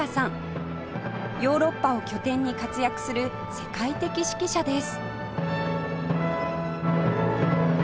ヨーロッパを拠点に活躍する世界的指揮者です